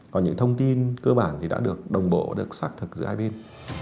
còn những thông tin cơ bản thì đã được đồng bộ được xác thực giữa hai bên